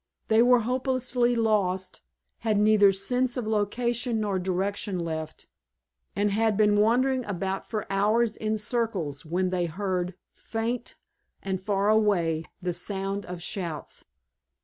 They were hopelessly lost, had neither sense of location nor direction left, and had been wandering about for hours in circles when they heard, faint and far away, the sound of shouts.